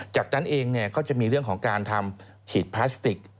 จากนั้นเองก็จะมีเรื่องของการทำฉีดพลาสติก